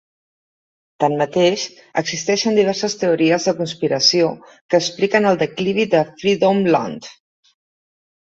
Tanmateix, existeixen diverses teories de conspiració que expliquen el declivi de Freedomland.